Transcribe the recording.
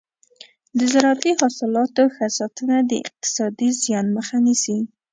د زراعتي حاصلاتو ښه ساتنه د اقتصادي زیان مخه نیسي.